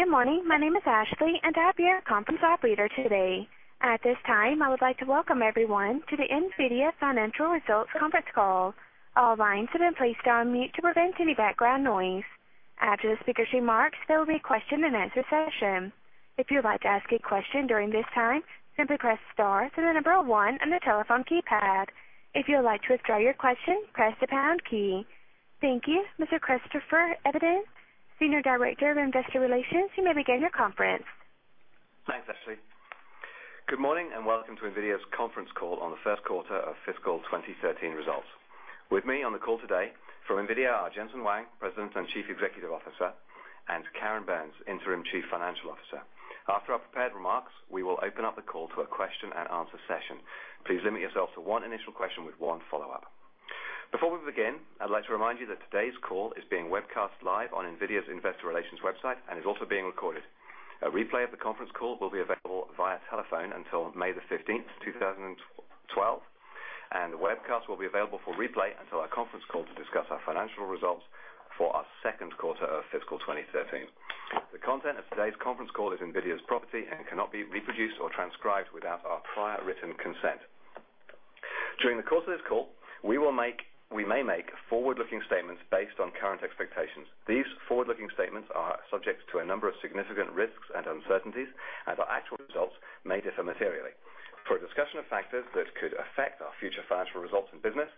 Good morning. My name is Ashley, and I'll be your conference operator today. At this time, I would like to welcome everyone to the NVIDIA Financial Results Conference Call. All lines have been placed on mute to prevent any background noise. After the speaker's remarks, there will be a question and answer session. If you would like to ask a question during this time, simply press star, then the number one on the telephone keypad. If you would like to withdraw your question, press the pound key. Thank you. Mr. Christopher Evenden, Senior Director of Investor Relations, you may begin your conference. Thanks, Ashley. Good morning and welcome to NVIDIA's Conference Call on the First Quarter of Fiscal 2013 Results. With me on the call today from NVIDIA are Jensen Huang, President and Chief Executive Officer, and Karen Burns, Interim Chief Financial Officer. After our prepared remarks, we will open up the call to a question and answer session. Please limit yourself to one initial question with one follow-up. Before we begin, I'd like to remind you that today's call is being webcast live on NVIDIA's investor relations website and is also being recorded. A replay of the conference call will be available via telephone until May 15th, 2012, and the webcast will be available for replay until our conference call to discuss our financial results for our second quarter of fiscal 2013. The content of today's conference call is NVIDIA's property and cannot be reproduced or transcribed without our prior written consent. During the course of this call, we may make forward-looking statements based on current expectations. These forward-looking statements are subject to a number of significant risks and uncertainties, and our actual results may differ materially. For a discussion of factors that could affect our future financial results and business,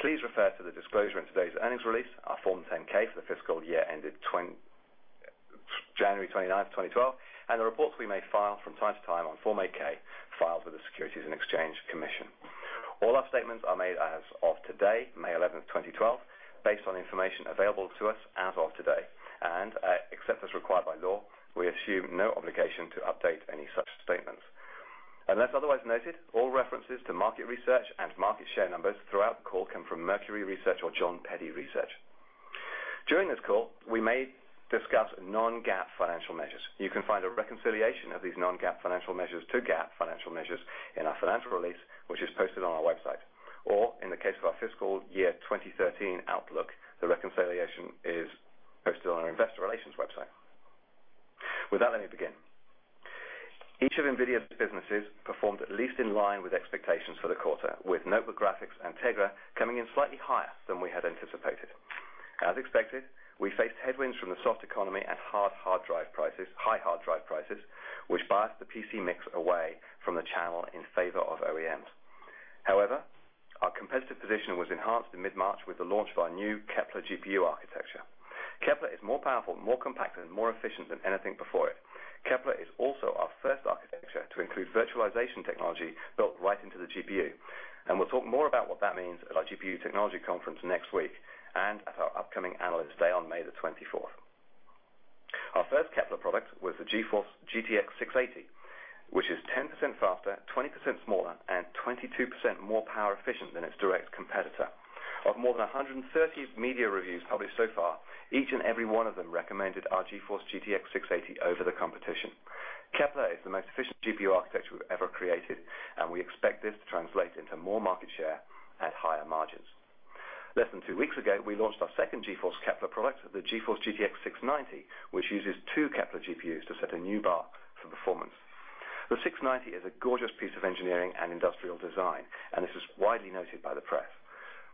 please refer to the disclosure in today's earnings release, our Form 10-K for the fiscal year ended January 29th, 2012, and the reports we may file from time to time on Form 8-K filed with the Securities and Exchange Commission. All our statements are made as of today, May 11th, 2012, based on the information available to us as of today, and except as required by law, we assume no obligation to update any such statements. Unless otherwise noted, all references to market research and market share numbers throughout the call come from Mercury Research or Jon Peddie Research. During this call, we may discuss non-GAAP financial measures. You can find a reconciliation of these non-GAAP financial measures to GAAP financial measures in our financial release, which is posted on our website, or in the case of our fiscal year 2013 outlook, the reconciliation is posted on our investor relations website. With that, let me begin. Each of NVIDIA's businesses performed at least in line with expectations for the quarter, with notebook graphics and Tegra coming in slightly higher than we had anticipated. As expected, we faced headwinds from the soft economy and high hard drive prices, which biased the PC mix away from the channel in favor of OEMs. However, our competitive position was enhanced in mid-March with the launch of our new Kepler GPU architecture. Kepler is more powerful, more compact, and more efficient than anything before it. Kepler is also our first architecture to include virtualization technology built right into the GPU, and we'll talk more about what that means at our GPU Technology Conference next week and at our upcoming Analyst Day on May 24th. Our first Kepler product was the GeForce GTX 680, which is 10% faster, 20% smaller, and 22% more power efficient than its direct competitor. Of more than 130 media reviews published so far, each and every one of them recommended our GeForce GTX 680 over the competition. Kepler is the most efficient GPU architecture we've ever created, and we expect this to translate into more market share at higher margins. Less than two weeks ago, we launched our second GeForce Kepler product, the GeForce GTX 690, which uses two Kepler GPUs to set a new bar for performance. The 690 is a gorgeous piece of engineering and industrial design, and this is widely noted by the press.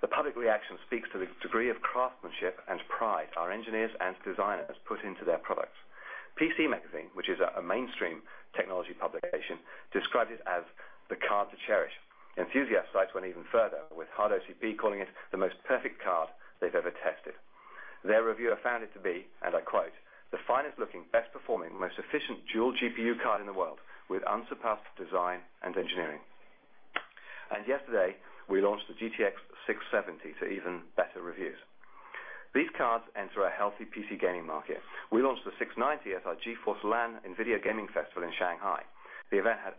The public reaction speaks to the degree of craftsmanship and pride our engineers and designers put into their products. PC Magazine, which is a mainstream technology publication, described it as the card to cherish. Enthusiast sites went even further, with HardOCP calling it the most perfect card they've ever tested. Their review found it to be, and I quote, "The finest looking, best performing, most efficient dual GPU card in the world with unsurpassed design and engineering." Yesterday, we launched the GTX 670 to even better reviews. These cards enter a healthy PC gaming market. We launched the 690 at our GeForce LAN/NVIDIA Gaming Festival in Shanghai. The event had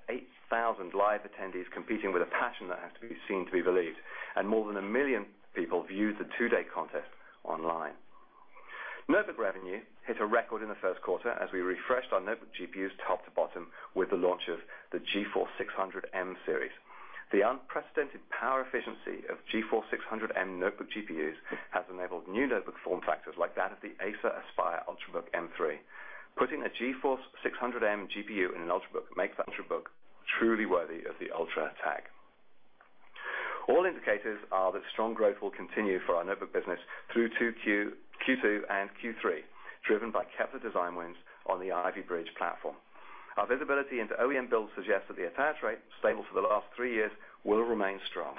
8,000 live attendees competing with a passion that has to be seen to be believed, and more than 1 million people viewed the two-day contest online. Notebook revenue hit a record in the first quarter as we refreshed our notebook GPUs top to bottom with the launch of the GeForce 600M series. The unprecedented power efficiency of GeForce 600M notebook GPUs has enabled new notebook form factors like that of the Acer Aspire Ultrabook M3. Putting a GeForce 600M GPU in an Ultrabook makes that Ultrabook truly worthy of the Ultra tag. All indicators are that strong growth will continue for our notebook business through Q2 and Q3, driven by Kepler design wins on the Ivy Bridge platform. Our visibility into OEM builds suggests that the attach rate, stable for the last three years, will remain strong.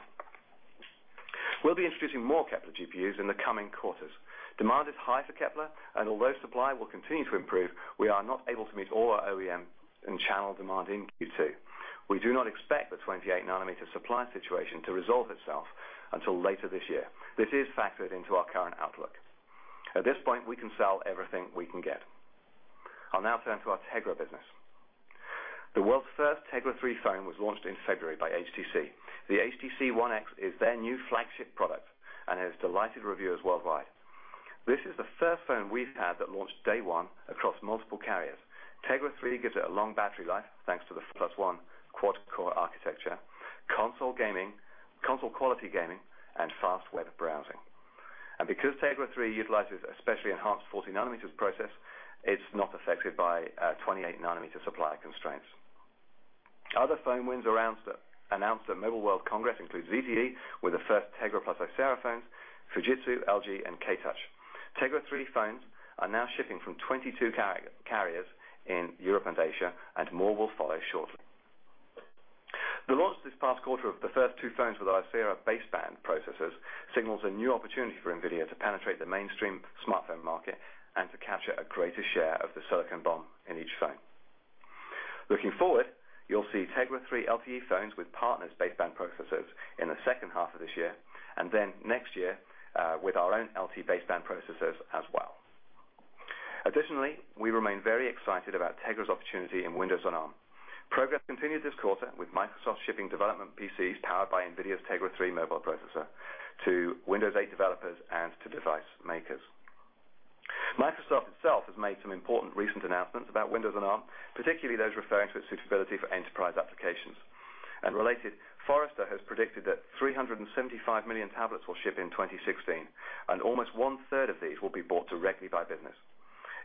We'll be introducing more Kepler GPUs in the coming quarters. Demand is high for Kepler, and although supply will continue to improve, we are not able to meet all our OEM and channel demand in Q2. We do not expect the 28 nm supply situation to resolve itself until later this year. This is factored into our current outlook. At this point, we can sell everything we can get. I'll now turn to our Tegra business. The world's first Tegra 3 phone was launched in February by HTC. The HTC One X is their new flagship product and has delighted reviewers worldwide. This is the first phone we've had that launched day one across multiple carriers. Tegra 3 gives it a long battery life thanks to the plus one quad-core architecture, console quality gaming, and fast web browsing. Because Tegra 3 utilizes a specially enhanced 40 nm process, it's not affected by 28 nm supply constraints. Other phone wins announced at Mobile World Congress include ZTE with the first Tegra + Icera phones, Fujitsu, LG, and K-Touch. Tegra 3 phones are now shipping from 22 carriers in Europe and Asia, and more will follow shortly. The launch this past quarter of the first two phones with Icera baseband processors signals a new opportunity for NVIDIA to penetrate the mainstream smartphone market and to capture a greater share of the silicon bond in each phone. Looking forward, you'll see Tegra 3 LTE phones with partners' baseband processors in the second half of this year, and next year with our own LTE baseband processors as well. Additionally, we remain very excited about Tegra's opportunity in Windows on ARM. Progress continued this quarter with Microsoft shipping development PCs powered by NVIDIA's Tegra 3 mobile processor to Windows 8 developers and to device makers. Microsoft itself has made some important recent announcements about Windows on ARM, particularly those referring to its suitability for enterprise applications. Related, Forrester has predicted that 375 million tablets will ship in 2016, and almost one third of these will be bought directly by business.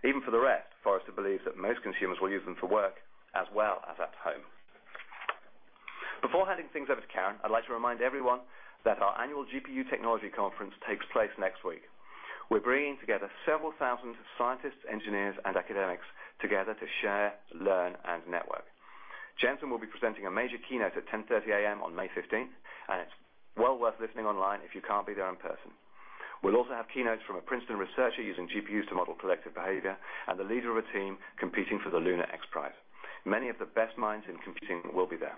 Even for the rest, Forrester believes that most consumers will use them for work as well as at home. Before handing things over to Karen, I'd like to remind everyone that our annual GPU Technology Conference takes place next week. We're bringing together several thousand scientists, engineers, and academics to share, learn, and network. Jensen will be presenting a major keynote at 10:30 A.M. on May 15, and it's well worth listening online if you can't be there in person. We'll also have keynotes from a Princeton researcher using GPUs to model collective behavior and the leader of a team competing for the Lunar XPRIZE. Many of the best minds in computing will be there.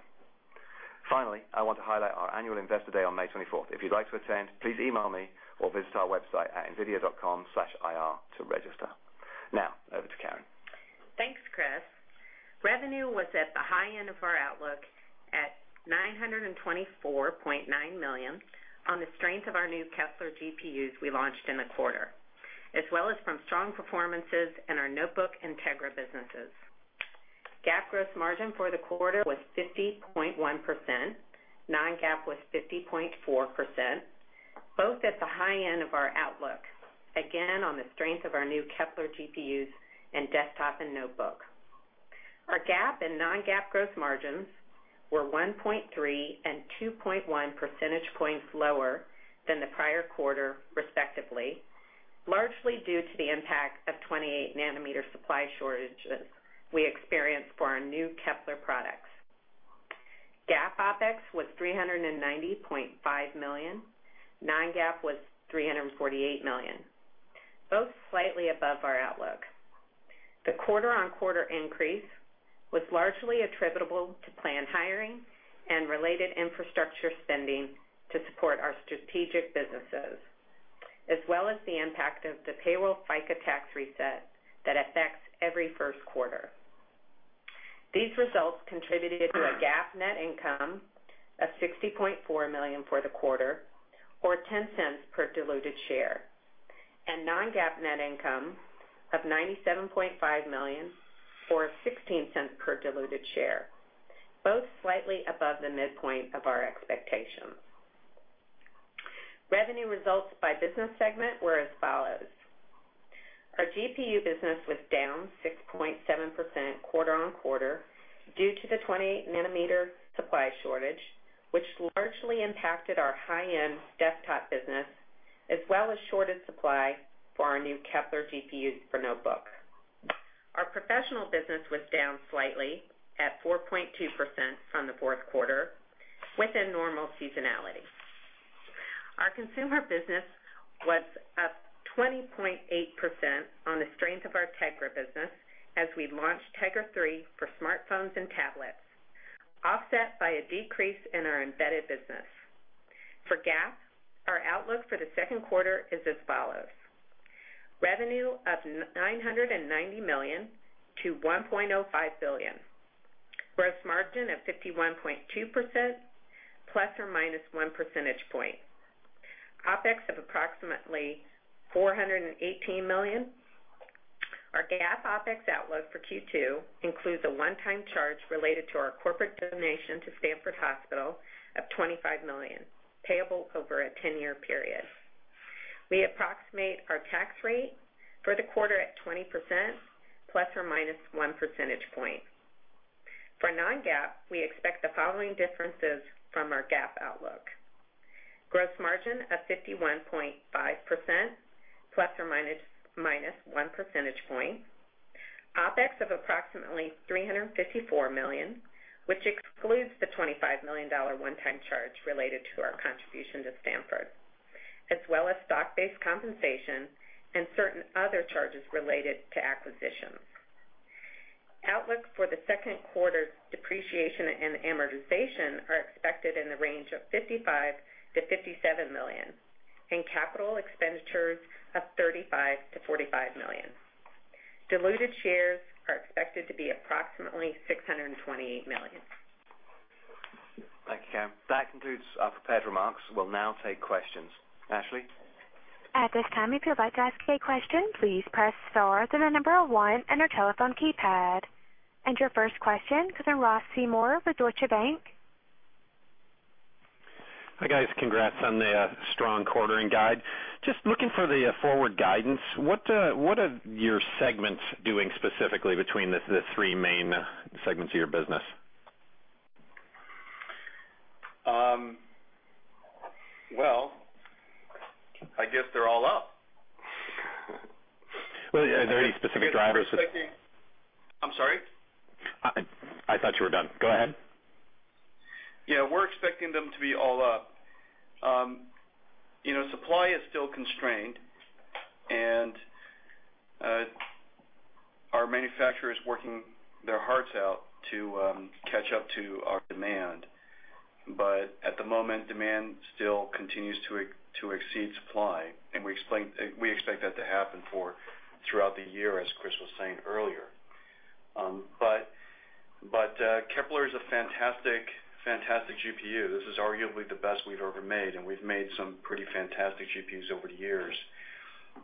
Finally, I want to highlight our annual Investor Day on May 24. If you'd like to attend, please email me or visit our website at nvidia.com/ir to register. Now, over to Karen. Thanks, Chris. Revenue was at the high end of our outlook at $924.9 million on the strength of our new Kepler GPUs we launched in the quarter, as well as from strong performances in our notebook and Tegra businesses. GAAP gross margin for the quarter was 50.1%, non-GAAP was 50.4%, both at the high end of our outlook, again on the strength of our new Kepler GPUs and desktop and notebook. Our GAAP and non-GAAP gross margins were 1.3 percentage points and 2.1 percentage points lower than the prior quarter, respectively, largely due to the impact of 28 nm supply shortages we experienced for our new Kepler products. GAAP OpEx was $390.5 million, non-GAAP was $348 million, both slightly above our outlook. The quarter-on-quarter increase was largely attributable to planned hiring and related infrastructure spending to support our strategic businesses, as well as the impact of the payroll FICA tax reset that affects every first quarter. These results contributed to a GAAP net income of $60.4 million for the quarter, or $0.10 per diluted share, and non-GAAP net income of $97.5 million, or $0.16 per diluted share, both slightly above the midpoint of our expectations. Revenue results by business segment were as follows. Our GPU business was down 6.7% quarter-on-quarter due to the 28 nm supply shortage, which largely impacted our high-end desktop business, as well as shortage supply for our new Kepler GPUs for notebook. Our professional business was down slightly at 4.2% from the fourth quarter, within normal seasonality. Our consumer business was up 20.8% on the strength of our Tegra business as we launched Tegra 3 for smartphones and tablets, offset by a decrease in our embedded business. For GAAP, our outlook for the second quarter is as follows: revenue of $990 million to $1.05 billion, gross margin of 51.2%, ±1 percentage point, OpEx of approximately $418 million. Our GAAP OpEx outlook for Q2 includes a one-time charge related to our corporate donation to Stanford Hospital of $25 million, payable over a 10-year period. We approximate our tax rate for the quarter at 20%, ±1 percentage point. For non-GAAP, we expect the following differences from our GAAP outlook: gross margin of 51.5%, ±1 percentage point, OpEx of approximately $354 million, which excludes the $25 million one-time charge related to our contribution to Stanford, as well as stock-based compensation and certain other charges related to acquisitions. Outlook for the second quarter's depreciation and amortization are expected in the range of $55 million-$57 million, and capital expenditures of $35 million-$45 million. Diluted shares are expected to be approximately 628 million. Thank you, Karen. That concludes our prepared remarks. We'll now take questions. Ashley? At this time, if you would like to ask a question, please press star followed by the number one on your telephone keypad. Your first question is to Ross Seymore of Deutsche Bank. Hi guys, congrats on the strong quarter in guide. Just looking for the forward guidance, what are your segments doing specifically between the three main segments of your business? I guess they're all up. Are there any specific drivers? I'm sorry? I thought you were done. Go ahead. Yeah, we're expecting them to be all up. Supply is still constrained, and our manufacturer is working their hearts out to catch up to our demand. At the moment, demand still continues to exceed supply, and we expect that to happen throughout the year, as Chris was saying earlier. Kepler is a fantastic, fantastic GPU. This is arguably the best we've ever made, and we've made some pretty fantastic GPUs over the years.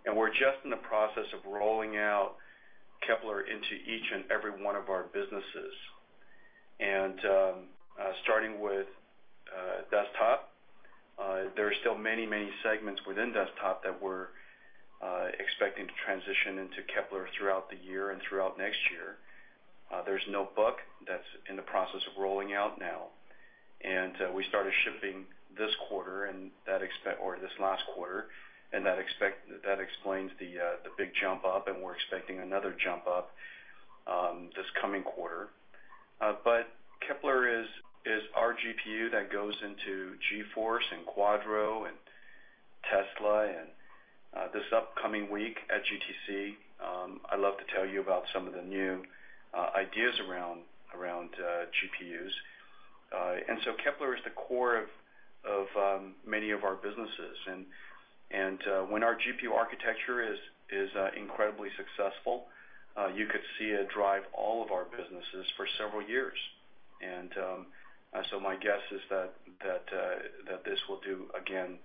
We're just in the process of rolling out Kepler into each and every one of our businesses. Starting with desktop, there are still many, many segments within desktop that we're expecting to transition into Kepler throughout the year and throughout next year. There's notebook that's in the process of rolling out now. We started shipping this quarter or this last quarter, and that explains the big jump up, and we're expecting another jump up this coming quarter. Kepler is our GPU that goes into GeForce and Quadro and Tesla. This upcoming week at GTC, I'd love to tell you about some of the new ideas around GPUs. Kepler is the core of many of our businesses. When our GPU architecture is incredibly successful, you could see it drive all of our businesses for several years. My guess is that this will do, again,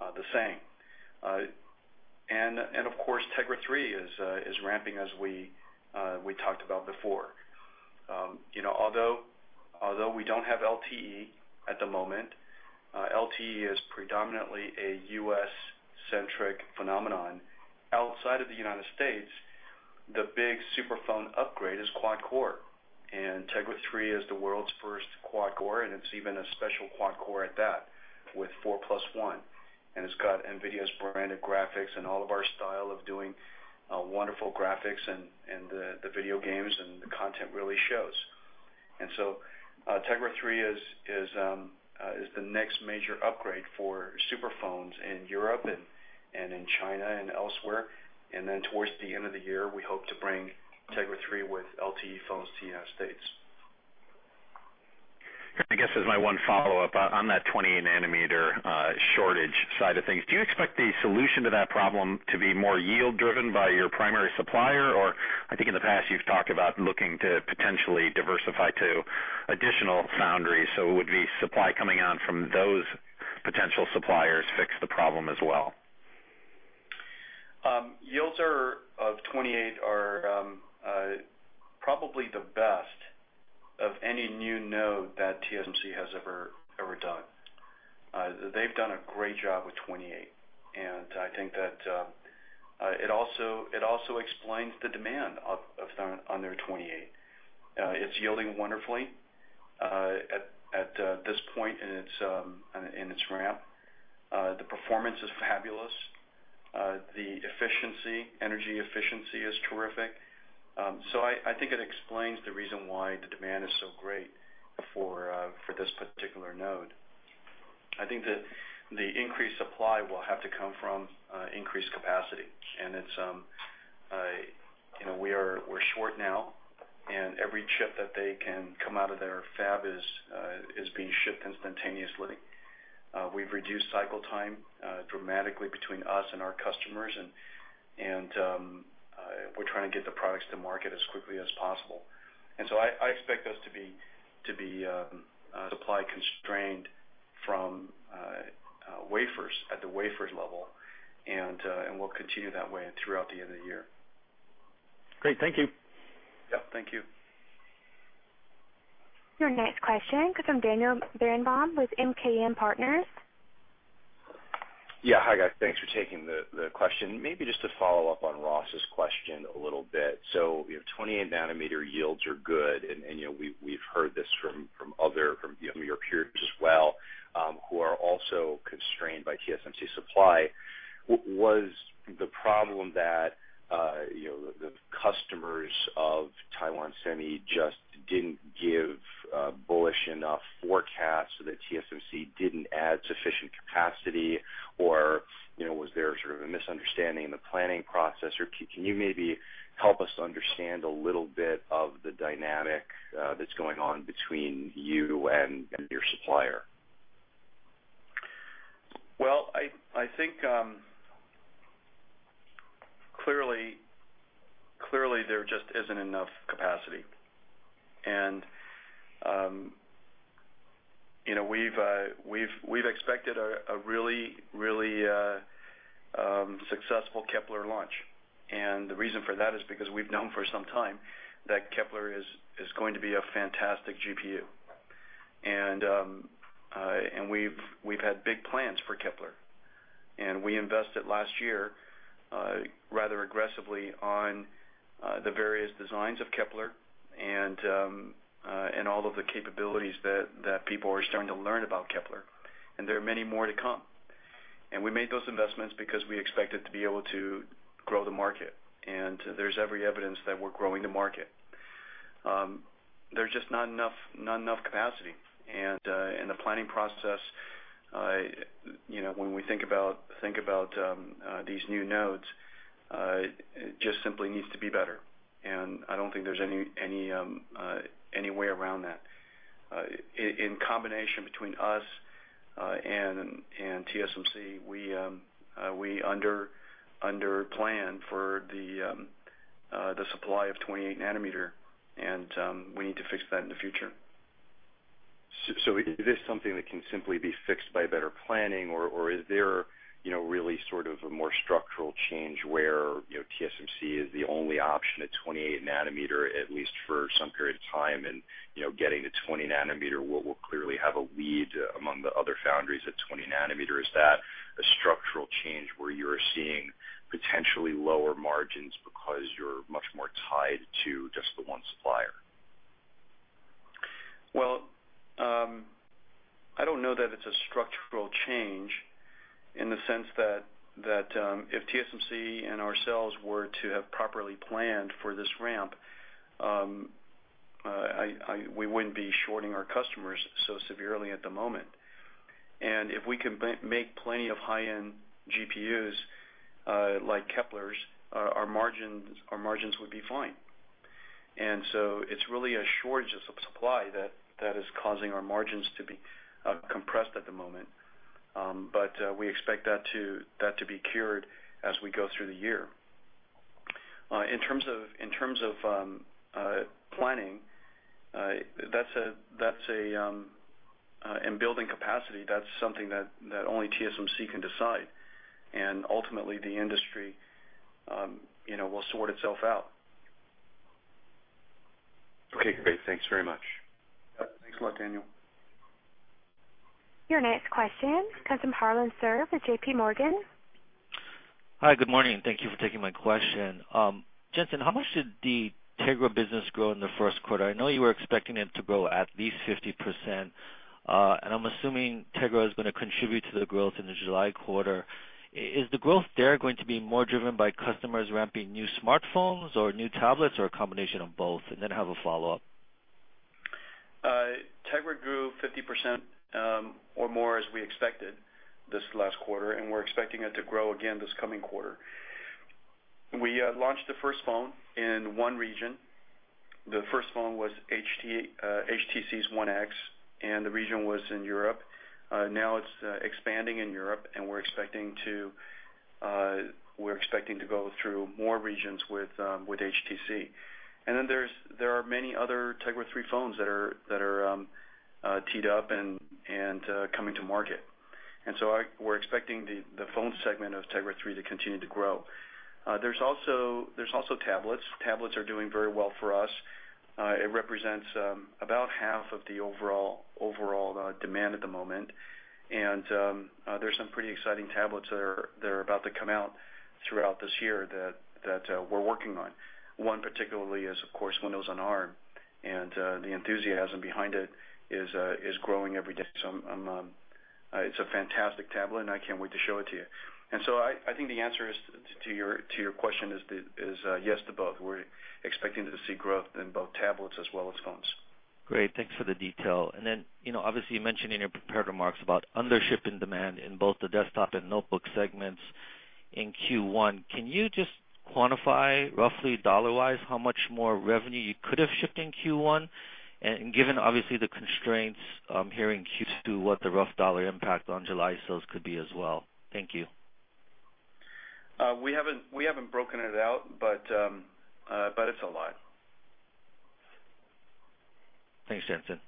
the same. Of course, Tegra 3 is ramping, as we talked about before. Although we don't have LTE at the moment, LTE is predominantly a U.S.-centric phenomenon. Outside of the United States, the big superphone upgrade is quad-core, and Tegra 3 is the world's first quad-core, and it's even a special quad-core at that with 4 + 1. It's got NVIDIA's branded graphics and all of our style of doing wonderful graphics in the video games, and the content really shows. Tegra 3 is the next major upgrade for superphones in Europe and in China and elsewhere. Towards the end of the year, we hope to bring Tegra 3 with LTE phones to the United States. I guess as my one follow-up on that 28 nm shortage side of things, do you expect the solution to that problem to be more yield-driven by your primary supplier? I think in the past you've talked about looking to potentially diversify to additional foundries, so would the supply coming on from those potential suppliers fix the problem as well? Yields of 28 nm are probably the best of any new node that TSMC has ever done. They've done a great job with 28 nm, and I think that it also explains the demand on their 28 nm. It's yielding wonderfully at this point in its ramp. The performance is fabulous. The energy efficiency is terrific. I think it explains the reason why the demand is so great for this particular node. I think the increased supply will have to come from increased capacity, and we're short now, and every chip that they can come out of their fab is being shipped instantaneously. We've reduced cycle time dramatically between us and our customers, and we're trying to get the products to market as quickly as possible. I expect us to be supply constrained from wafers at the wafer level, and we'll continue that way throughout the end of the year. Great, thank you. Thank you. Your next question comes from Daniel Berenbaum with MKM Partners. Yeah, hi guys, thanks for taking the question. Maybe just to follow up on Ross's question a little bit. You know 28 nm yields are good, and we've heard this from your peers as well, who are also constrained by TSMC supply. Was the problem that the customers of Taiwan Semi just didn't give bullish enough forecasts so that TSMC didn't add sufficient capacity, or was there sort of a misunderstanding in the planning process? Can you maybe help us understand a little bit of the dynamic that's going on between you and your supplier? I think clearly, clearly there just isn't enough capacity. You know we've expected a really, really successful Kepler launch, and the reason for that is because we've known for some time that Kepler is going to be a fantastic GPU. We've had big plans for Kepler. We invested last year rather aggressively on the various designs of Kepler and all of the capabilities that people are starting to learn about Kepler. There are many more to come. We made those investments because we expected to be able to grow the market, and there's every evidence that we're growing the market. There's just not enough capacity. In the planning process, you know when we think about these new nodes, it just simply needs to be better. I don't think there's any way around that. In combination between us and TSMC, we underplanned for the supply of 28 nm, and we need to fix that in the future. Is this something that can simply be fixed by better planning, or is there really sort of a more structural change where TSMC is the only option at 28 nm, at least for some period of time? Getting to 20 nm will clearly have a lead among the other foundries at 20 nm. Is that a structural change where you're seeing potentially lower margins because you're much more tied to just the one supplier? I don't know that it's a structural change in the sense that if TSMC and ourselves were to have properly planned for this ramp, we wouldn't be shorting our customers so severely at the moment. If we can make plenty of high-end GPUs like Keplers, our margins would be fine. It's really a shortage of supply that is causing our margins to be compressed at the moment. We expect that to be cured as we go through the year. In terms of planning and building capacity, that's something that only TSMC can decide. Ultimately, the industry will sort itself out. Okay, great. Thanks very much. Thanks a lot, Daniel. Your next question, Harlan Sur, sir, for JPMorgan. Hi, good morning. Thank you for taking my question. Jensen, how much did the Tegra business grow in the first quarter? I know you were expecting it to grow at least 50%, and I'm assuming Tegra is going to contribute to the growth in the July quarter. Is the growth there going to be more driven by customers ramping new smartphones or new tablets or a combination of both? I have a follow-up. Tegra grew 50% or more, as we expected, this last quarter, and we're expecting it to grow again this coming quarter. We launched the first phone in one region. The first phone was HTC's One X, and the region was in Europe. Now it's expanding in Europe, and we're expecting to go through more regions with HTC. There are many other Tegra 3 phones that are teed up and coming to market, so we're expecting the phone segment of Tegra 3 to continue to grow. There's also tablets. Tablets are doing very well for us. It represents about half of the overall demand at the moment. There are some pretty exciting tablets that are about to come out throughout this year that we're working on. One particularly is, of course, Windows on ARM, and the enthusiasm behind it is growing every day. It's a fantastic tablet, and I can't wait to show it to you. I think the answer to your question is yes to both. We're expecting to see growth in both tablets as well as phones. Great, thanks for the detail. You mentioned in your prepared remarks about undershipping demand in both the desktop and notebook segments in Q1. Can you just quantify roughly dollar-wise how much more revenue you could have shipped in Q1? Given the constraints here in Q2, what is the rough dollar impact on July sales as well? Thank you. We haven't broken it out, but it's a lot. Thanks, Jensen.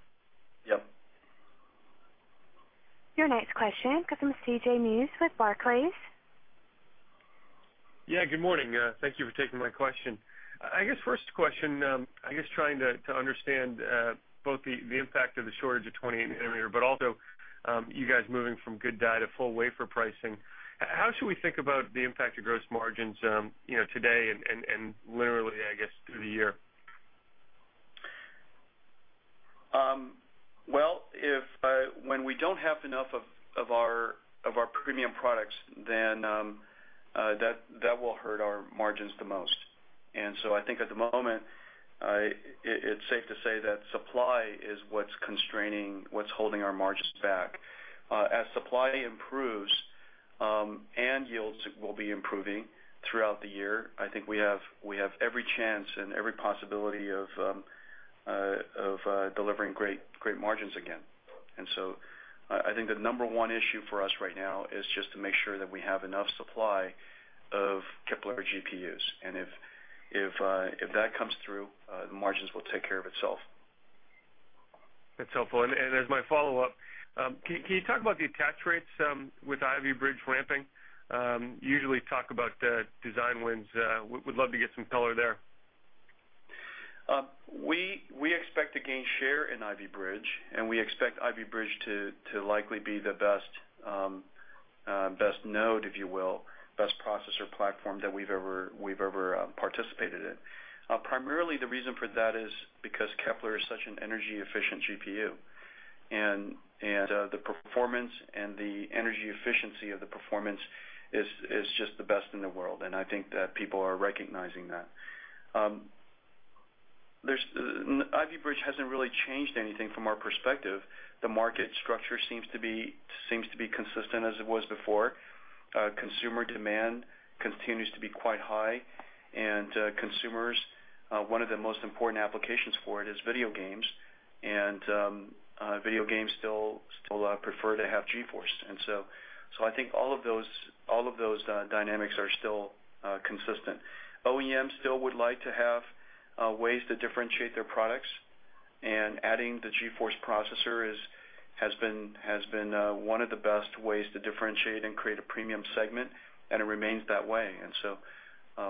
Yep. Your next question, comes from C.J. Muse with Barclays. Good morning. Thank you for taking my question. First question, trying to understand both the impact of the shortage of 28 nm, but also you guys moving from good die to full wafer pricing. How should we think about the impact of gross margins today and literally, I guess, through the year? When we don't have enough of our premium products, that will hurt our margins the most. I think at the moment, it's safe to say that supply is what's constraining what's holding our margins back. As supply improves and yields will be improving throughout the year, I think we have every chance and every possibility of delivering great margins again. I think the number one issue for us right now is just to make sure that we have enough supply of Kepler GPUs. If that comes through, the margins will take care of itself. That's helpful. As my follow-up, can you talk about the attach rates with Ivy Bridge ramping? You usually talk about the design wins. We'd love to get some color there. We expect to gain share in Ivy Bridge, and we expect Ivy Bridge to likely be the best node, if you will, best processor platform that we've ever participated in. Primarily, the reason for that is because Kepler is such an energy-efficient GPU. The performance and the energy efficiency of the performance is just the best in the world. I think that people are recognizing that. Ivy Bridge hasn't really changed anything from our perspective. The market structure seems to be consistent as it was before. Consumer demand continues to be quite high, and consumers, one of the most important applications for it is video games. Video games still prefer to have GeForce. I think all of those dynamics are still consistent. OEMs still would like to have ways to differentiate their products, and adding the GeForce processor has been one of the best ways to differentiate and create a premium segment, and it remains that way.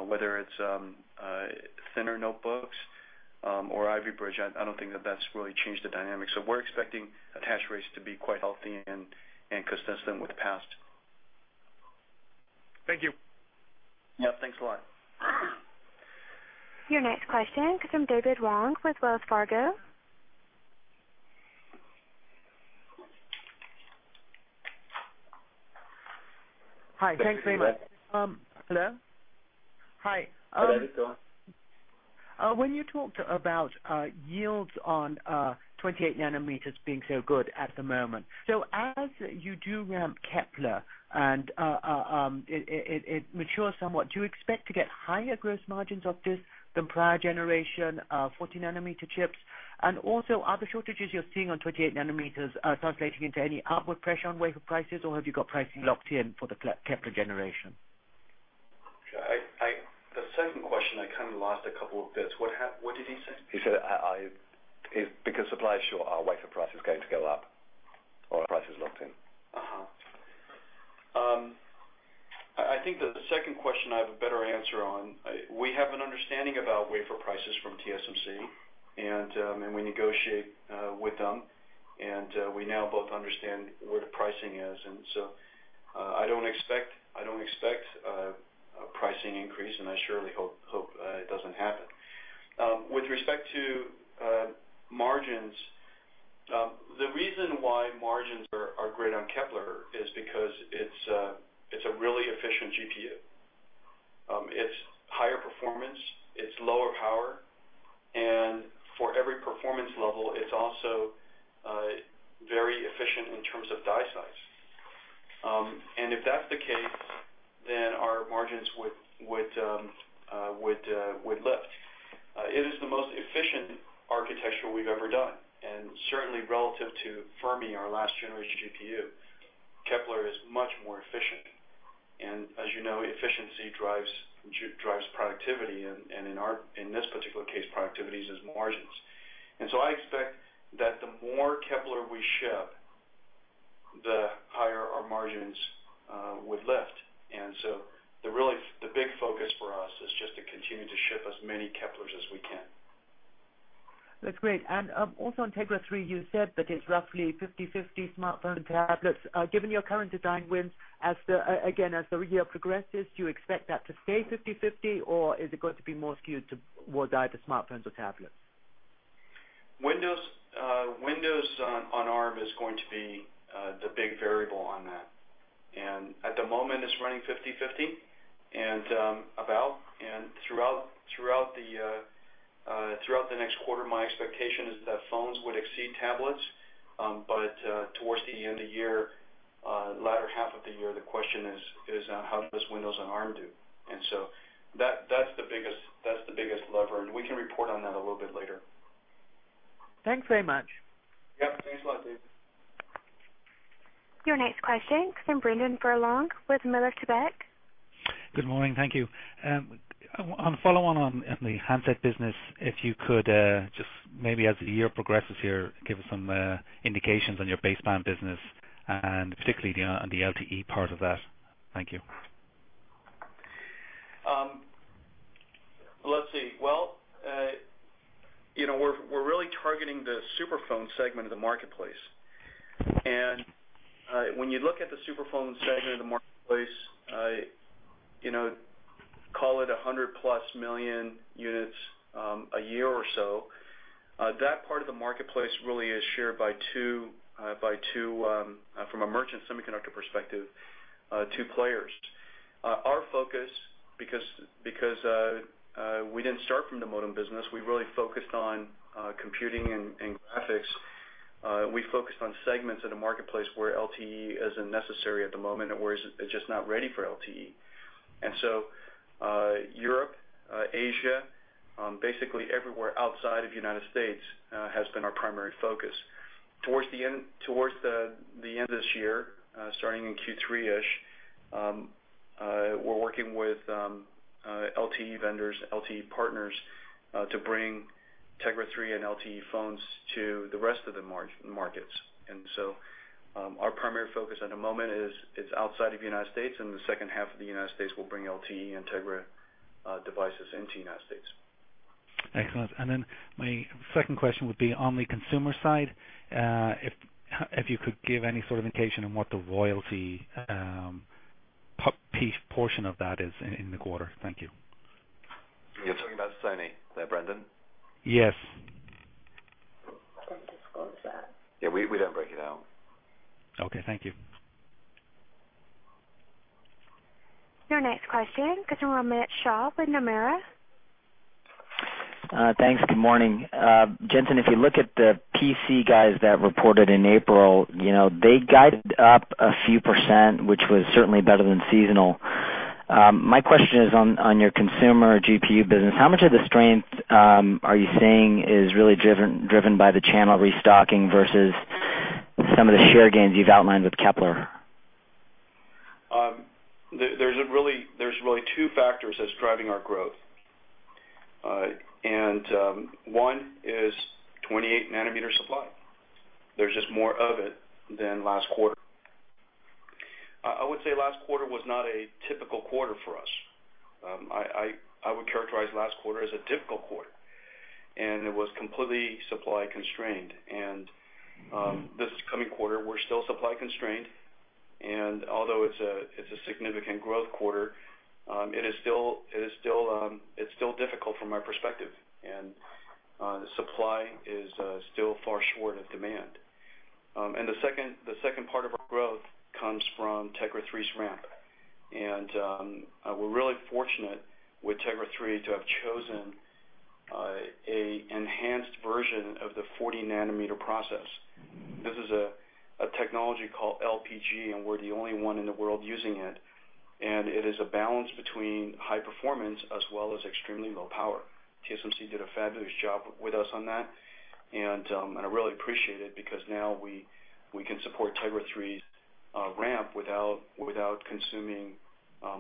Whether it's thinner notebooks or Ivy Bridge, I don't think that that's really changed the dynamics. We're expecting attach rates to be quite healthy and consistent with the past. Thank you. Yeah, thanks a lot. Your next question comes from David Wong with Wells Fargo. Hi, thanks very much. Hello? Hi. How did it go? When you talked about yields on 28 nm being so good at the moment, as you do ramp Kepler and it matures somewhat, do you expect to get higher gross margins off this than prior generation 14 nm chips? Also, are the shortages you're seeing on 28 nm translating into any upward pressure on wafer prices, or have you got pricing locked in for the Kepler generation? The second question, I kind of lost a couple of bits. What did he say? He said because supply is short, our wafer price is going to go up, or our price is locked in. I think the second question I have a better answer on. We have an understanding about wafer prices from TSMC, and we negotiate with them, and we now both understand where the pricing is. I don't expect a pricing increase, and I surely hope it doesn't happen. With respect to margins, the reason why margins are great on Kepler is because it's a really efficient GPU. It's higher performance, it's lower power, and for every performance level, it's also very efficient in terms of die size. If that's the case, then our margins would lift. It is the most efficient architecture we've ever done. Certainly, relative to Fermi, our last generation GPU, Kepler is much more efficient. As you know, efficiency drives productivity, and in this particular case, productivity is margins. I expect that the more Kepler we ship, the higher our margins would lift. The really big focus for us is just to continue to ship as many Keplers as we can. That's great. Also, on Tegra 3, you said that it's roughly 50/50 smartphone tablets. Given your current design wins, as the year progresses, do you expect that to stay 50/50, or is it going to be more skewed toward either smartphones or tablets? Windows on ARM is going to be the big variable on that. At the moment, it's running 50/50 and about. Throughout the next quarter, my expectation is that phones would exceed tablets. Towards the end of the year, latter half of the year, the question is how does Windows on ARM do? That's the biggest lever, and we can report on that a little bit later. Thanks very much. Yep, thanks a lot, David. Your next question comes from Brendan Furlong with Miller Tabak. Good morning, thank you. I'm following on the handset business. If you could just maybe, as the year progresses here, give us some indications on your baseband business, and particularly on the LTE part of that. Thank you. Let's see. You know we're really targeting the superphone segment of the marketplace. When you look at the superphone segment of the marketplace, call it 100+ million units a year or so, that part of the marketplace really is shared by two, from a merchant semiconductor perspective, two players. Our focus, because we didn't start from the modem business, we really focused on computing and graphics. We focused on segments of the marketplace where LTE isn't necessary at the moment, or it's just not ready for LTE. Europe, Asia, basically everywhere outside of the U.S. has been our primary focus. Towards the end of this year, starting in Q3-ish, we're working with LTE vendors, LTE partners to bring Tegra 3 and LTE phones to the rest of the markets. Our primary focus at the moment is outside of the U.S., and the second half of the U.S. will bring LTE and Tegra devices into the U.S. Excellent. My second question would be on the consumer side, if you could give any sort of indication on what the royalty piece portion of that is in the quarter. Thank you. You're talking about the CNA there, Brendan. Yes. Yeah, we don't break it down. Okay, thank you. Your next question comes from Romit Shah with Nomura. Thanks, good morning. Jensen, if you look at the PC guys that reported in April, you know they guided up a few percent, which was certainly better than seasonal. My question is on your consumer GPU business. How much of the strength are you saying is really driven by the channel restocking versus some of the share gains you've outlined with Kepler? There are really two factors that are driving our growth. One is 28 nm supply. There is just more of it than last quarter. I would say last quarter was not a typical quarter for us. I would characterize last quarter as a difficult quarter, and it was completely supply constrained. This coming quarter, we are still supply constrained. Although it is a significant growth quarter, it is still difficult from my perspective. The supply is still far short of demand. The second part of our growth comes from Tegra 3's ramp. We are really fortunate with Tegra 3 to have chosen an enhanced version of the 40 nm process. This is a technology called LPG, and we are the only one in the world using it. It is a balance between high performance as well as extremely low power. TSMC did a fabulous job with us on that, and I really appreciate it because now we can support Tegra 3's ramp without consuming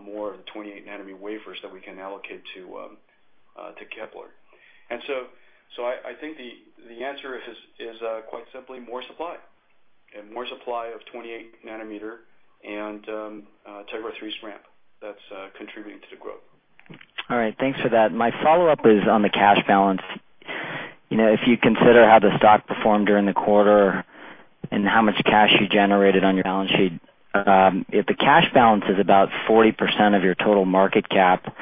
more of the 28 nm wafers that we can allocate to Kepler. I think the answer is quite simply more supply. More supply of 28 nm and Tegra 3's ramp is contributing to the growth. All right, thanks for that. My follow-up is on the cash balance. If you consider how the stock performed during the quarter and how much cash you generated on your balance sheet, if the cash balance is about 40% of your total market cap,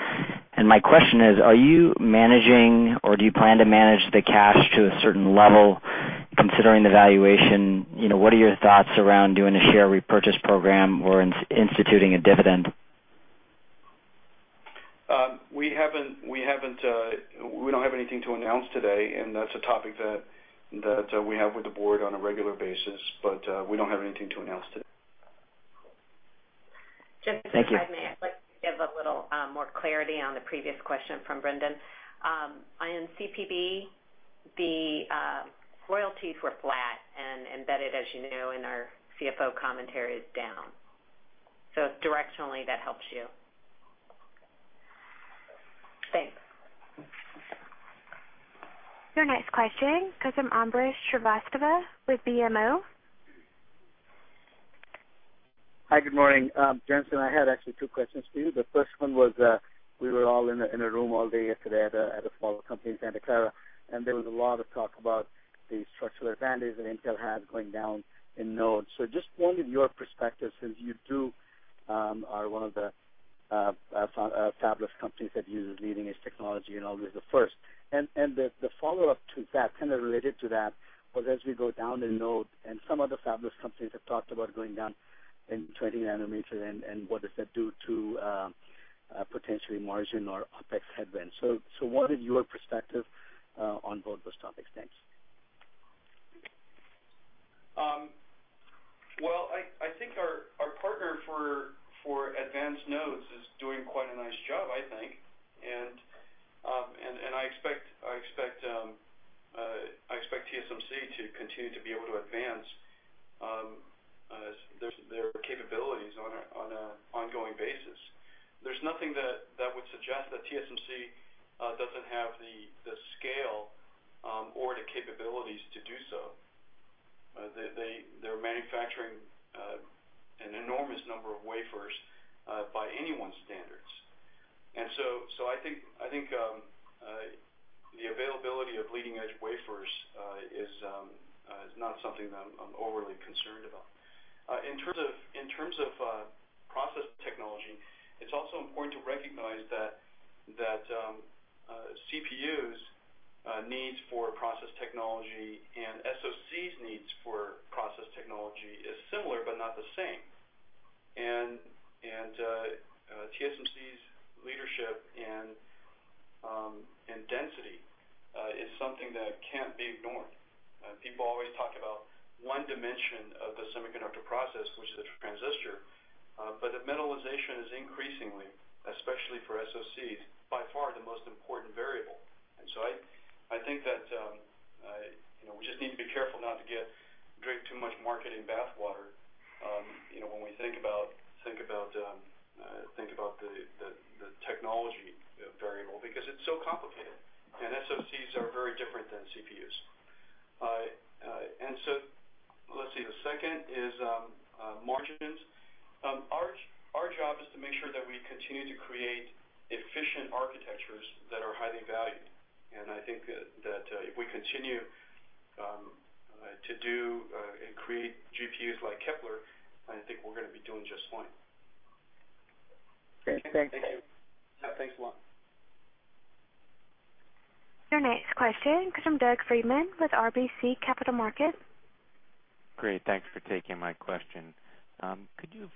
my question is, are you managing or do you plan to manage the cash to a certain level considering the valuation? What are your thoughts around doing a share repurchase program or instituting a dividend? We don't have anything to announce today, and that's a topic that we have with the board on a regular basis, but we don't have anything to announce today. Jensen, if I may give a little more clarity on the previous question from Brendan. In CPB, the royalties were flat and embedded, as you know, in our CFO commentary, is down. Directionally, that helps you. Thanks. Your next question comes from Ambrish Srivastava with BMO. Hi, good morning. Jensen, I had actually two questions for you. The first one was we were all in a room all day yesterday at a small company, Santa Clara, and there was a lot of talk about the structural advantage that Intel has going down in nodes. I just wanted your perspective since you too are one of the fabulous companies that use leading-edge technology and always the first. The follow-up to that, kind of related to that, was as we go down in nodes and some other fabulous companies have talked about going down in 20 nm, what does that do to potentially margin or OpEx headwind? What is your perspective on both those topics? I think our partner for advanced nodes is doing quite a nice job, I think. I expect TSMC to continue to be able to advance their capabilities on an ongoing basis. There's nothing that would suggest that TSMC doesn't have the scale or the capabilities to do so. They're manufacturing an enormous number of wafers by anyone's standards, so I think the availability of leading-edge wafers is not something that I'm overly concerned about. In terms of process technology, it's also important to recognize that CPU's needs for process technology and SoC's needs for process technology are similar but not the same. TSMC's leadership and density is something that can't be ignored. People always talk about one dimension of the semiconductor process, which is the transistor, but the metalization is increasingly, especially for SoCs, by far the most important variable. I think that we just need to be careful not to get draped too much marketing bathwater when we think about the technology variable because it's so complicated. SoCs are very different than CPUs. Let's see. The second is margins. Our job is to make sure that we continue to create efficient architectures that are highly valued. I think that if we continue to do and create GPUs like Kepler, I think we're going to be doing just fine. Thank you. Thanks a lot. Your next question comes from Doug Freedman with RBC Capital Markets. Great, thanks for taking my question. Could you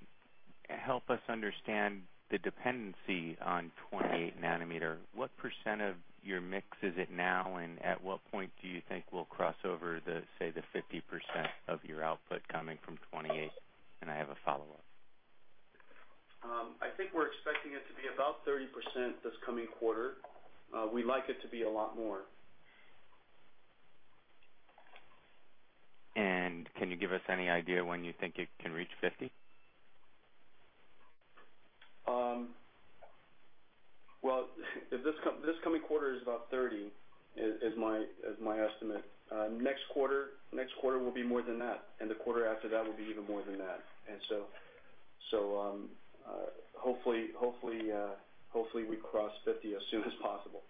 help us understand the dependency on 28 nm? What percent of your mix is it now, and at what point do you think we'll cross over the, say, the 50% of your output coming from 28 nm? I have a follow-up. I think we're expecting it to be about 30% this coming quarter. We'd like it to be a lot more. Can you give us any idea when you think it can reach 50%? This coming quarter is about 30%, is my estimate. Next quarter will be more than that, and the quarter after that will be even more than that. Hopefully, we cross 50% as soon as possible.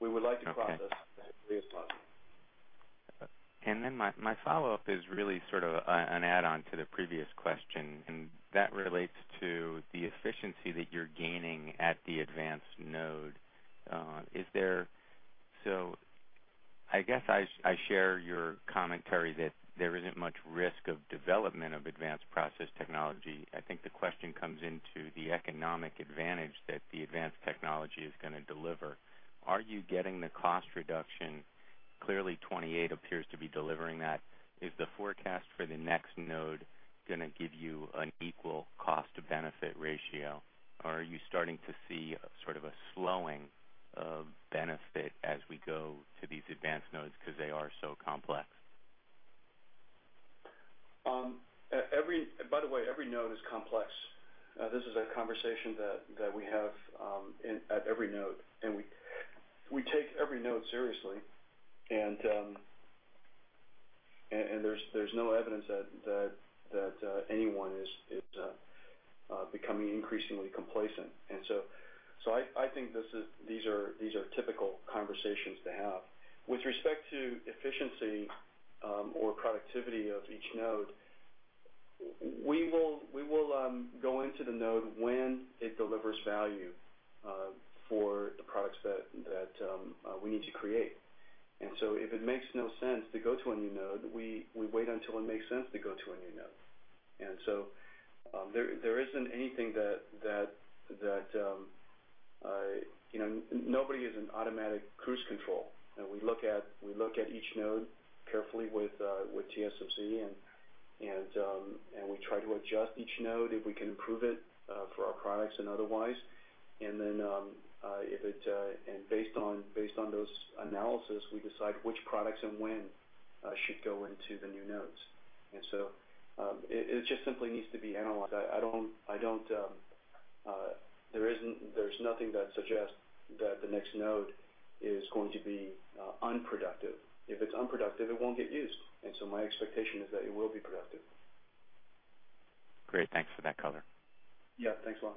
We would like to cross as soon as possible. My follow-up is really sort of an add-on to the previous question. That relates to the efficiency that you're gaining at the advanced node. I guess I share your commentary that there isn't much risk of development of advanced process technology. I think the question comes into the economic advantage that the advanced technology is going to deliver. Are you getting the cost reduction? Clearly, 28 nm appears to be delivering that. Is the forecast for the next node going to give you an equal cost-to-benefit ratio? Are you starting to see sort of a slowing of benefit as we go to these advanced nodes because they are so complex? By the way, every node is complex. This is a conversation that we have at every node, and we take every node seriously. There's no evidence that anyone is becoming increasingly complacent. I think these are typical conversations to have. With respect to efficiency or productivity of each node, we will go into the node when it delivers value for the products that we need to create. If it makes no sense to go to a new node, we wait until it makes sense to go to a new node. There isn't anything that nobody is an automatic cruise control. We look at each node carefully with TSMC, and we try to adjust each node if we can improve it for our products and otherwise. Based on those analyses, we decide which products and when should go into the new nodes. It just simply needs to be analog. There's nothing that suggests that the next node is going to be unproductive. If it's unproductive, it won't get used. My expectation is that it will be productive. Great, thanks for that color. Yeah, thanks a lot.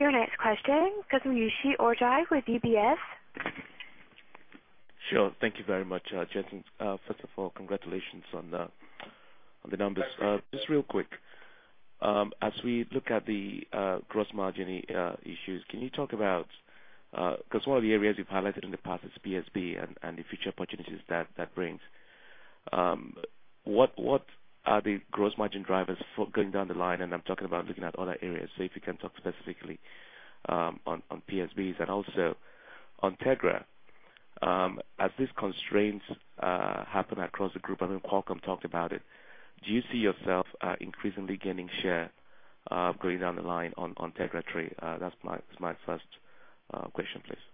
Your next question, this is Uche Orji with UBS. Sure, thank you very much. Jensen, first of all, congratulations on the numbers. Just real quick, as we look at the gross margin issues, can you talk about, because one of the areas you've highlighted in the past is PSB and the future opportunities that that brings, what are the gross margin drivers for going down the line? I'm talking about looking at other areas, so if you can talk specifically on PSBs and also on Tegra. As these constraints happen across the group, I mean, Qualcomm talked about it. Do you see yourself increasingly gaining share going down the line on Tegra 3? That's my first question, please.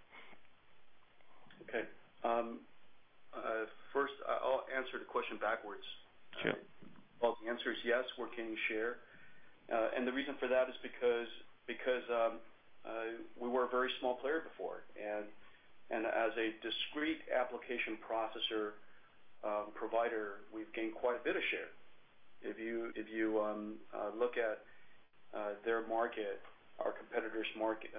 Okay, first, I'll answer the question backwards. Sure. Yes, we're gaining share. The reason for that is because we were a very small player before. As a discrete application processor provider, we've gained quite a bit of share. If you look at their market, our competitors' market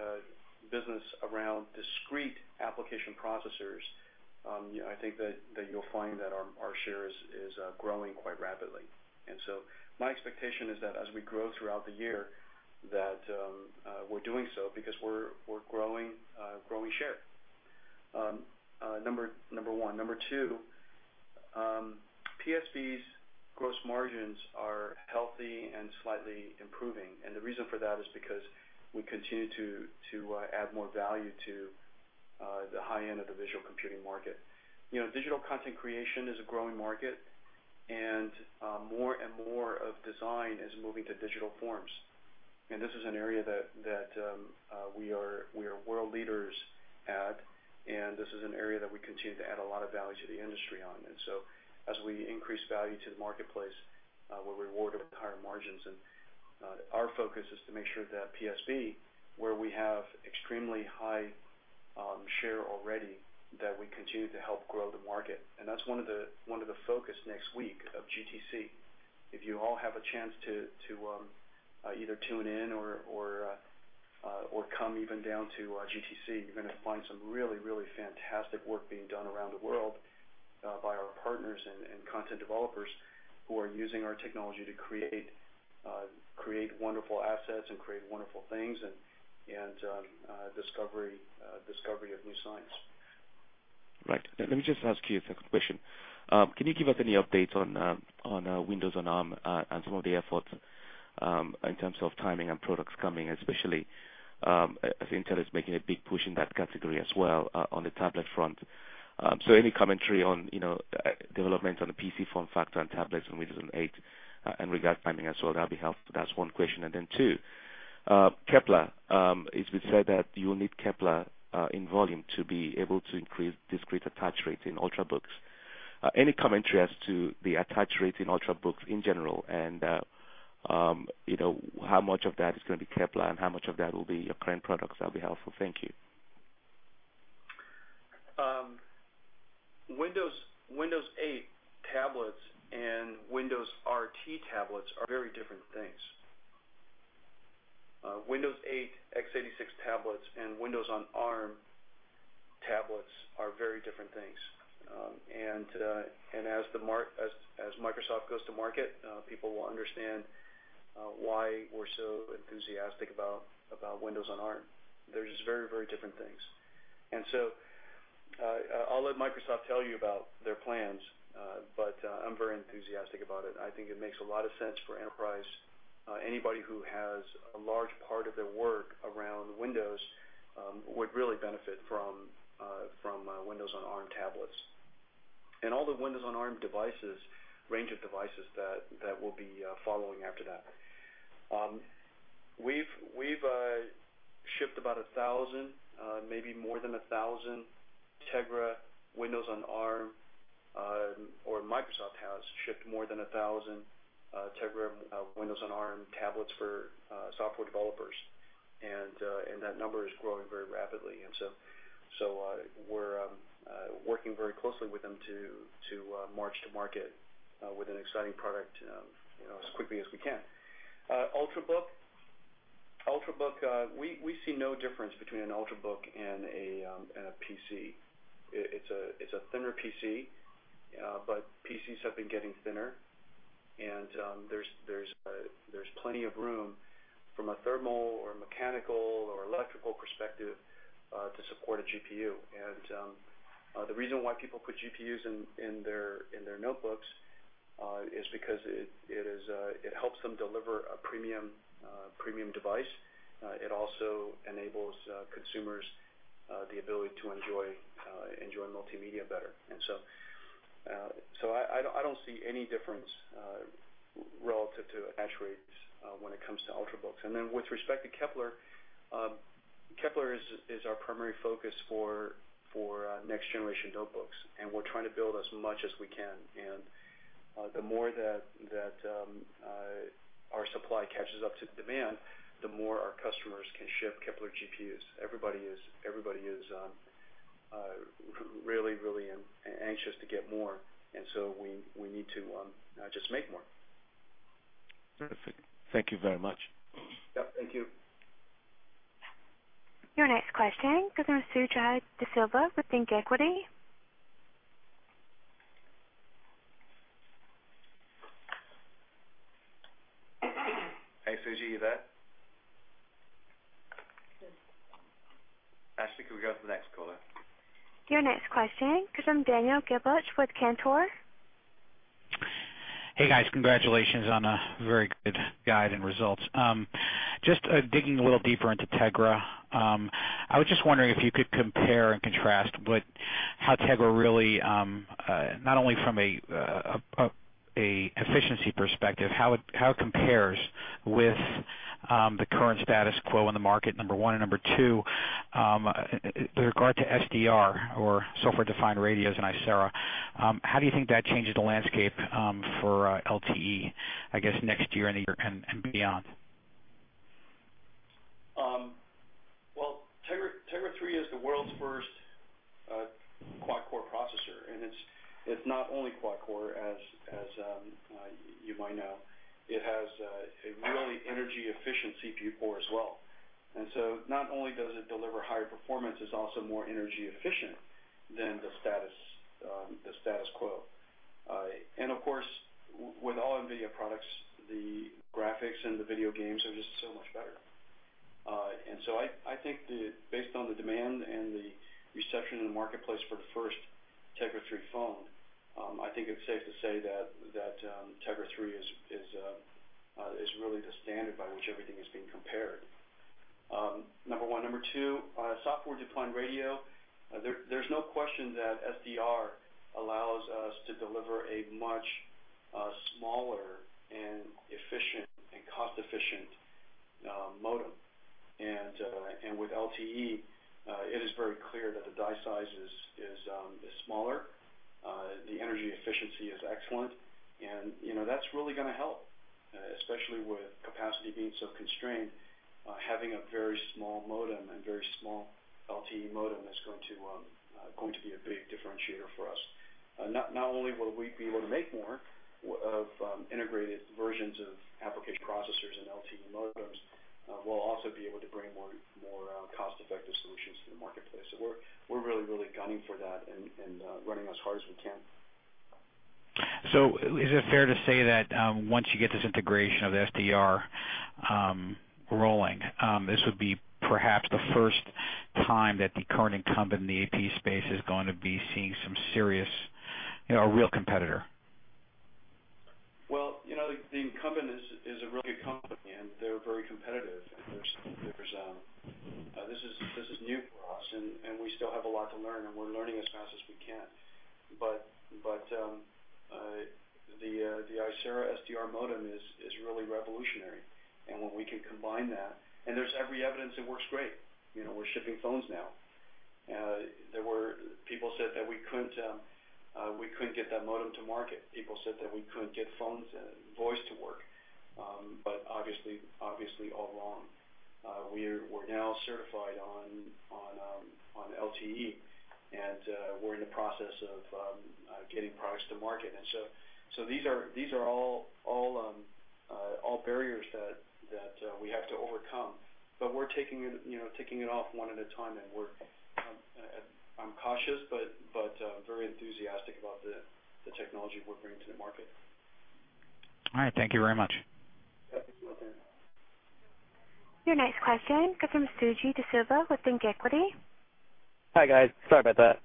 business around discrete application processors, I think that you'll find that our share is growing quite rapidly. My expectation is that as we grow throughout the year, we're doing so because we're growing share. Number one. Number two, PSB's gross margins are healthy and slightly improving. The reason for that is because we continue to add more value to the high end of the visual computing market. Digital content creation is a growing market, and more and more of design is moving to digital forms. This is an area that we are world leaders at, and this is an area that we continue to add a lot of value to the industry on. As we increase value to the marketplace, we're rewarded with higher margins. Our focus is to make sure that PSB, where we have extremely high share already, that we continue to help grow the market. That's one of the focus next week of GTC. If you all have a chance to either tune in or come even down to GTC, you're going to find some really, really fantastic work being done around the world by our partners and content developers who are using our technology to create wonderful assets and create wonderful things and discovery of new science. Right. Let me just ask you a quick question. Can you give us any updates on Windows on ARM and some of the efforts in terms of timing and products coming, especially as Intel is making a big push in that category as well on the tablet front? Any commentary on developments on the PC form factor and tablets on Windows on 8 in regards to timing as well? That would be helpful. That's one question. Two, Kepler. It's been said that you'll need Kepler in volume to be able to increase discrete attach rates in Ultrabooks. Any commentary as to the attach rates in Ultrabooks in general and how much of that is going to be Kepler and how much of that will be your current products? That would be helpful. Thank you. Windows 8 tablets and Windows RT tablets are very different things. Windows 8 x86 tablets and Windows on ARM tablets are very different things. As Microsoft goes to market, people will understand why we're so enthusiastic about Windows on ARM. They're just very, very different things. I'll let Microsoft tell you about their plans, but I'm very enthusiastic about it. I think it makes a lot of sense for enterprise. Anybody who has a large part of their work around Windows would really benefit from Windows on ARM tablets and all the Windows on ARM devices, range of devices that will be following after that. We've shipped about 1,000, maybe more than 1,000 Tegra Windows on ARM, or Microsoft has shipped more than 1,000 Tegra Windows on ARM tablets for software developers, and that number is growing very rapidly. We're working very closely with them to launch to market with an exciting product as quickly as we can. Ultrabook, we see no difference between an Ultrabook and a PC. It's a thinner PC, but PCs have been getting thinner. There's plenty of room from a thermal or mechanical or electrical perspective to support a GPU. The reason why people put GPUs in their notebooks is because it helps them deliver a premium device. It also enables consumers the ability to enjoy multimedia better. I don't see any difference relative to attach rates when it comes to Ultrabooks. With respect to Kepler, Kepler is our primary focus for next-generation notebooks. We're trying to build as much as we can. The more that our supply catches up to demand, the more our customers can ship Kepler GPUs. Everybody is really, really anxious to get more. We need to just make more. Perfect. Thank you very much. Thank you. Your next question comes from Suji DeSilva with ThinkEquity. Hey, Suji, you there? Yes. Ashley, could we go to the next caller? Your next question comes from Daniel Gelbtuch with Cantor. Hey guys, congratulations on a very good guide and results. Just digging a little deeper into Tegra, I was just wondering if you could compare and contrast how Tegra really, not only from an efficiency perspective, how it compares with the current status quo in the market, number one. Number two, with regard to SDR or software-defined radios and Icera, how do you think that changes the landscape for LTE, I guess, next year and beyond? Tegra 3 is the world's first quad-core processor. It's not only quad-core, as you might know. It has a really energy-efficient CPU core as well. Not only does it deliver higher performance, it's also more energy efficient than the status quo. Of course, with all NVIDIA products, the graphics and the video games are just so much better. I think that based on the demand and the reception in the marketplace for the first Tegra 3 phone, I think it's safe to say that Tegra 3 is really the standard by which everything is being compared. Number one. Number two, software-defined radio, there's no question that SDR allows us to deliver a much smaller and efficient and cost-efficient modem. With LTE, it is very clear that the die size is smaller. The energy efficiency is excellent. You know that's really going to help, especially with capacity being so constrained. Having a very small modem and very small LTE modem is going to be a big differentiator for us. Not only will we be able to make more of integrated versions of application processors and LTE modems, we'll also be able to bring more cost-effective solutions to the marketplace. We're really, really gunning for that and running as hard as we can. Is it fair to say that once you get this integration of the SDR rolling, this would be perhaps the first time that the current incumbent in the AP space is going to be seeing some serious, you know, a real competitor? The incumbent is a really good company, and they're very competitive. This is new for us, and we still have a lot to learn, and we're learning as fast as we can. The Icera SDR modem is really revolutionary. When we can combine that, and there's every evidence it works great. We're shipping phones now. People said that we couldn't get that modem to market. People said that we couldn't get phones and voice to work. Obviously, all wrong. We're now certified on LTE, and we're in the process of getting products to market. These are all barriers that we have to overcome. We're taking it off one at a time, and I'm cautious, but very enthusiastic about the technology we're bringing to the market. All right, thank you very much. Your next question comes from Suji DeSilva with ThinkEquity. Hi guys, sorry about that.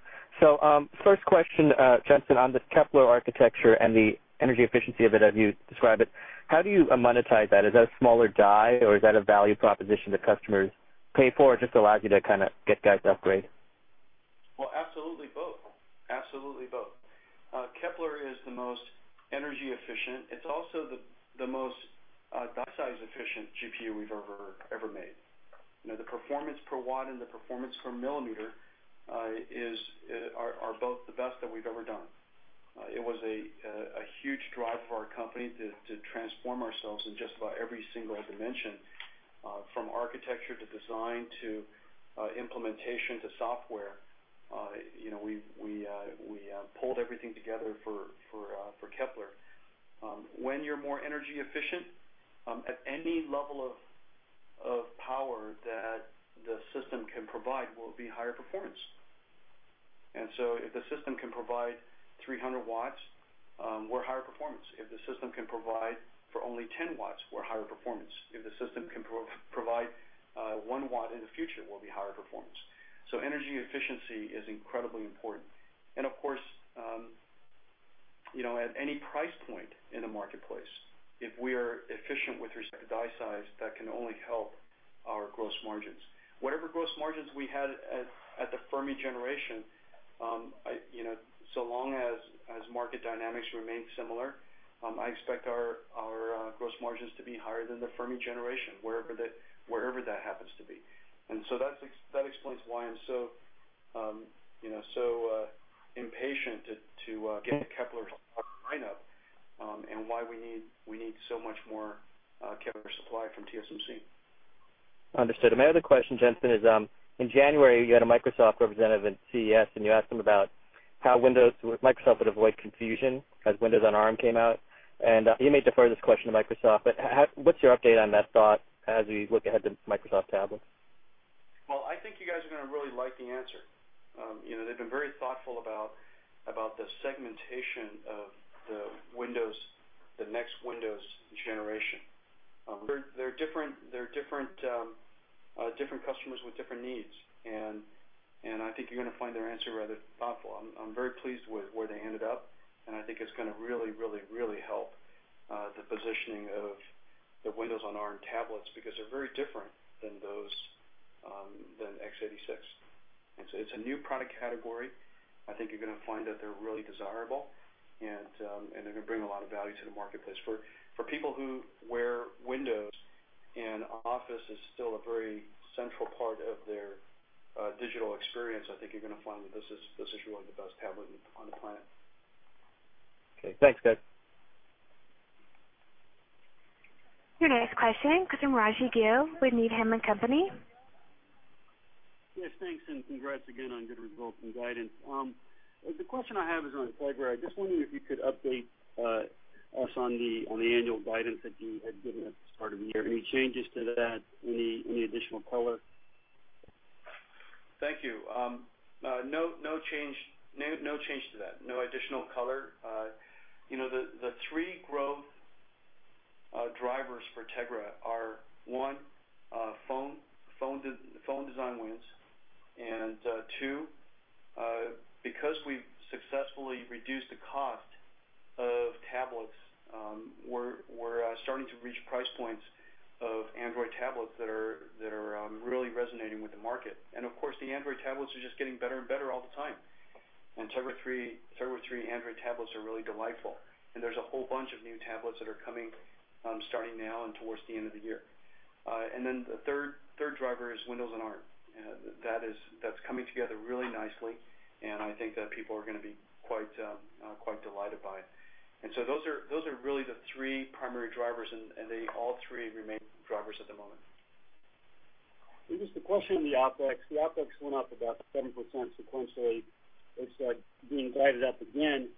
First question, Jensen, on this Kepler architecture and the energy efficiency of it, as you describe it, how do you monetize that? Is that a smaller die, or is that a value proposition that customers pay for, or just allows you to kind of get guys to upgrade? Absolutely both. Absolutely both. Kepler is the most energy efficient. It's also the most die size efficient GPU we've ever made. You know, the performance per watt and the performance per millimeter are both the best that we've ever done. It was a huge drive for our company to transform ourselves in just about every single dimension, from architecture to design to implementation to software. You know, we pulled everything together for Kepler. When you're more energy efficient, at any level of power that the system can provide will be higher performance. If the system can provide 300 W, we're higher performance. If the system can provide for only 10 W, we're higher performance. If the system can provide 1 W in the future, we'll be higher performance. Energy efficiency is incredibly important. Of course, you know, at any price point in the marketplace, if we are efficient with respect to die size, that can only help our gross margins. Whatever gross margins we had at the Fermi generation, you know, so long as market dynamics remain similar, I expect our gross margins to be higher than the Fermi generation, wherever that happens to be. That explains why I'm so impatient to get the Kepler lineup and why we need so much more Kepler supply from TSMC. Understood. My other question, Jensen, is in January, you had a Microsoft representative at CES, and you asked him about how Microsoft would avoid confusion as Windows on ARM came out. He made the furthest question to Microsoft. What's your update on that thought as we look ahead to Microsoft tablets? I think you guys are going to really like the answer. You know, they've been very thoughtful about the segmentation of the next Windows generation. There are different customers with different needs, and I think you're going to find their answer rather thoughtful. I'm very pleased with where they ended up, and I think it's going to really, really, really help the positioning of the Windows on ARM tablets because they're very different than those x86. It's a new product category. I think you're going to find that they're really desirable, and they're going to bring a lot of value to the marketplace. For people for whom Windows and Office is still a very central part of their digital experience, I think you're going to find that this is really the best tablet on the planet. Okay, thanks, Jen. Your next question comes from Raji Gill with Needham & Company. Yes, thanks, and congrats again on good results and guidance. The question I have is on hardware. I just wondered if you could update us on the annual guidance that you had given us as part of the year. Any changes to that? Any additional color? Thank you. No, no change. No change to that. No additional color. You know, the three growth drivers for Tegra are, one, phone design wins, and two, because we've successfully reduced the cost of tablets, we're starting to reach price points of Android tablets that are really resonating with the market. The Android tablets are just getting better and better all the time. Tegra 3 Android tablets are really delightful. There's a whole bunch of new tablets that are coming starting now and towards the end of the year. The third driver is Windows on ARM. That's coming together really nicely, and I think that people are going to be quite delighted by it. Those are really the three primary drivers, and they all three remain drivers at the moment. It was the question of the OpEx. The OpEx went up about 7% sequentially. It started being guided up again.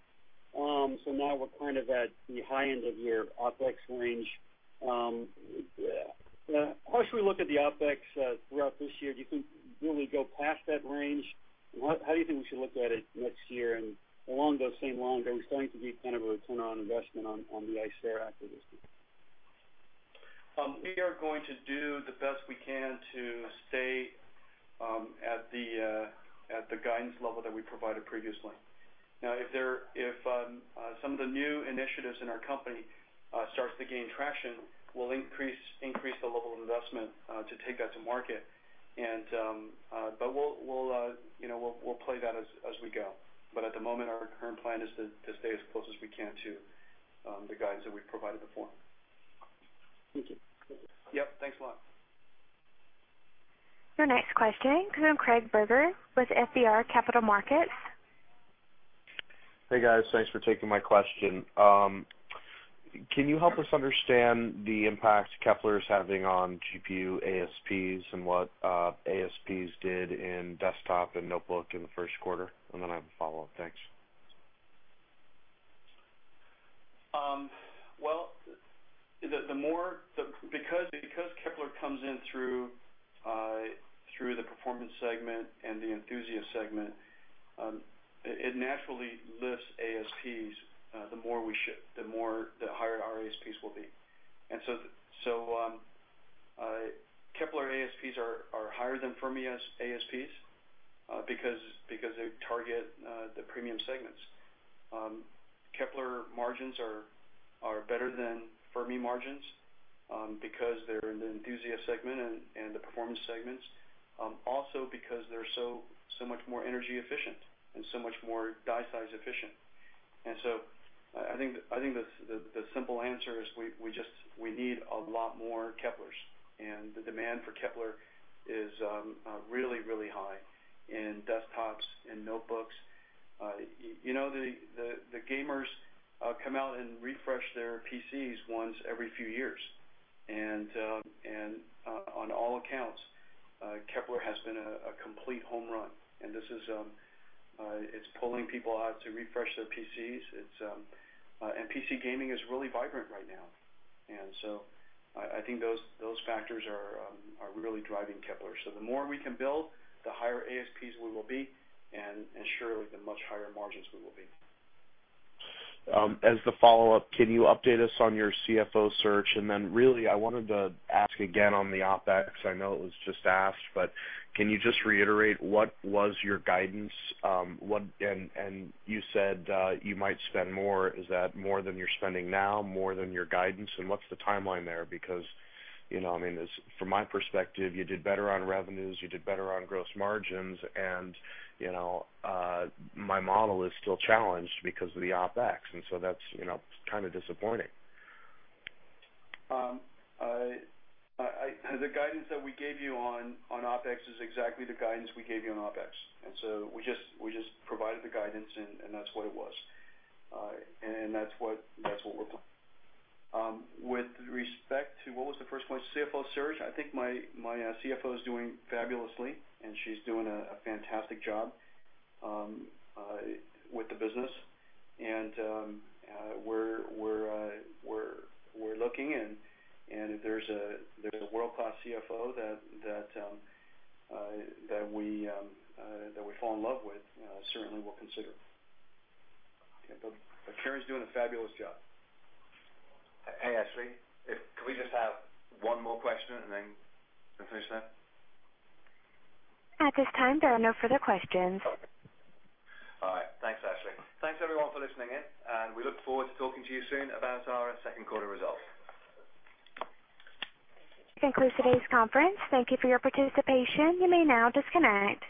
Now we're kind of at the high end of your OpEx range. How should we look at the OpEx throughout this year? Do you think we'll really go past that range? How do you think we should look at it next year? Along those same lines, are we starting to do kind of a turn-on investment on the Icera activity? We are going to do the best we can to stay at the guidance level that we provided previously. If some of the new initiatives in our company start to gain traction, we'll increase the level of investment to take that to market. We'll play that as we go. At the moment, our current plan is to stay as close as we can to the guidance that we've provided before. Thank you. Yep, thanks a lot. Your next question comes from Craig Berger with FBR Capital Markets. Hey guys, thanks for taking my question. Can you help us understand the impact Kepler is having on GPU ASPs and what ASPs did in desktop and notebook in the first quarter? I have a follow-up. Thanks. Because Kepler comes in through the performance segment and the enthusiast segment, it naturally lifts ASPs. The more we ship, the higher our ASPs will be. Kepler ASPs are higher than Fermi ASPs because they target the premium segments. Kepler margins are better than Fermi margins because they're in the enthusiast segment and the performance segments, also because they're so much more energy efficient and so much more die size efficient. I think the simple answer is we just need a lot more Keplers. The demand for Kepler is really, really high in desktops and notebooks. You know, the gamers come out and refresh their PCs once every few years. On all accounts, Kepler has been a complete home run. It's pulling people out to refresh their PCs. PC gaming is really vibrant right now. I think those factors are really driving Kepler. The more we can build, the higher ASPs we will be, and surely the much higher margins we will be. As a follow-up, can you update us on your CFO search? I wanted to ask again on the OpEx. I know it was just asked, but can you reiterate what was your guidance? You said you might spend more. Is that more than you're spending now, more than your guidance? What's the timeline there? From my perspective, you did better on revenues, you did better on gross margins, and my model is still challenged because of the OpEx. That's kind of disappointing. The guidance that we gave you on OpEx is exactly the guidance we gave you on OpEx. We just provided the guidance, and that's what it was. That's what it looked like. With respect to what was the first question, CFO search, I think my CFO is doing fabulously, and she's doing a fantastic job with the business. We're looking, and if there's a world-class CFO that we fall in love with, certainly we'll consider. Karen's doing a fabulous job. Hey, Ashley, can we just have one more question and then conclude that? At this time, there are no further questions. All right, thanks, Ashley. Thanks, everyone, for listening in. We look forward to talking to you soon about our second quarter results. Concludes today's conference. Thank you for your participation. You may now disconnect.